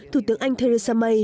thủ tướng anh theresa may